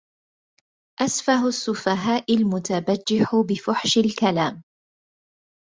أسفه السّفهاء المُتبجّح بفحش الكلام.